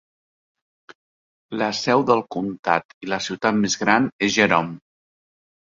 La seu del comtat i la ciutat més gran és Jerome.